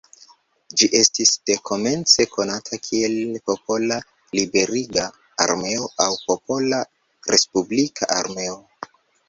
Ĝi estis dekomence konata kiel "Popola Liberiga Armeo" aŭ "Popola Respublika Armeo".